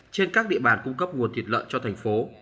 trên các địa bàn cung cấp nguồn thiệt lợn cho thành phố